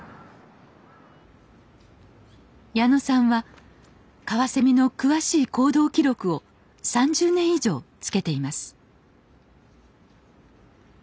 矢野さんはカワセミの詳しい行動記録を３０年以上つけています